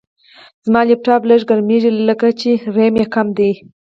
زما لپټاپ لږ ګرمېږي، لکه چې ریم یې کم دی.